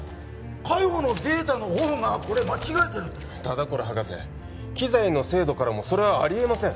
海保のデータの方がこれ間違えてるんだ田所博士機材の精度からもそれはありえません